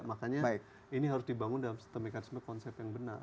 makanya ini harus dibangun dalam sistem mekanisme konsep yang benar